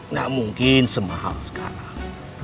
nggak mungkin semahal sekarang